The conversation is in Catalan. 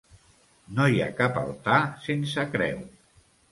No hi ha cap altar sense creu.